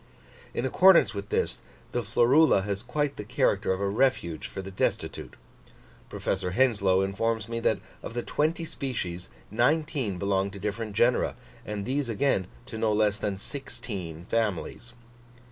In accordance with this, the Florula has quite the character of a refuge for the destitute: Professor Henslow informs me that of the twenty species nineteen belong to different genera, and these again to no less than sixteen families!